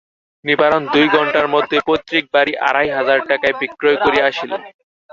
নিবারণ দুই ঘণ্টার মধ্যেই পৈতৃক বাড়ি আড়াই হাজার টাকায় বিক্রয় করিয়া আসিল।